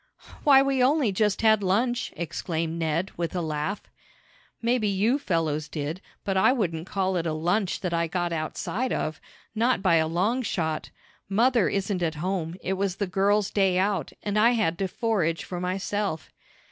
"Why, we only just had lunch!" exclaimed Ned, with a laugh. "Maybe you fellows did, but I wouldn't call it a lunch that I got outside of not by a long shot! Mother isn't at home, it was the girl's day out and I had to forage for myself."